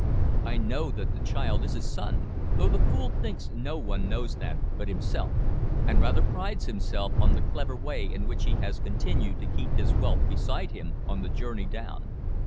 I know that the child is his son, though the fool thinks no one knows that but himself, and rather prides himself on the clever way in which he has continued to keep his whelp beside him on the journey down.